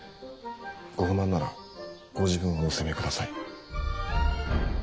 ご不満ならご自分をお責めください。